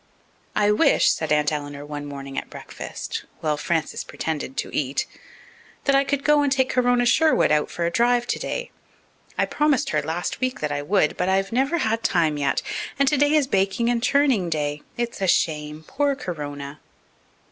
"I wish," said Aunt Eleanor one morning at breakfast, while Frances pretended to eat, "that I could go and take Corona Sherwood out for a drive today. I promised her last week that I would, but I've never had time yet. And today is baking and churning day. It's a shame. Poor Corona!"